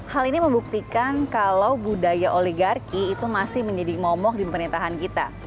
hal ini membuktikan kalau budaya oligarki itu masih menjadi momok di pemerintahan kita